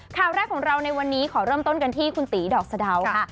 ข่าวแรกของเราในวันนี้ขอเริ่มต้นกันที่คุณตีดอกสะดาวค่ะ